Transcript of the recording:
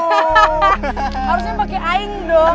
harusnya pake aing dong